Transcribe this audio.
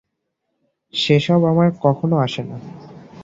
সে সব আমার কখনও আসে না।